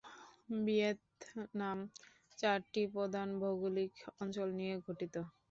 Vietnam চারটি প্রধান ভৌগোলিক অঞ্চল নিয়ে গঠিত।